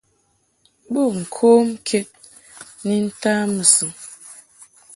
Bo ŋkom ked ni ntaʼ bɨsɨŋ.